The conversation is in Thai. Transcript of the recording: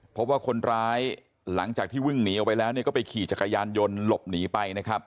พบว่าคนร้ายหลังจากที่วิ่งหนีออกไปแล้วก็ไปขี่จักรยานยนต์หลบหนีไปนะครับ